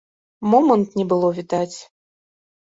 Момант не было відаць.